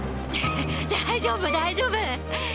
大丈夫大丈夫！